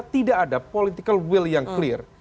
tidak ada political will yang clear